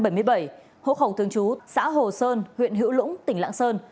trong năm hai nghìn một mươi bảy hồ khổng thương chú xã hồ sơn huyện hữu lũng tỉnh lãng sơn